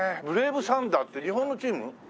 ブレイブサンダースって日本のチーム？